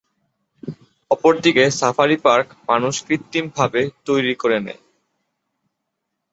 অপরদিকে safari park মানুষ কৃত্রিমভাবে তৈরি করে নেয়।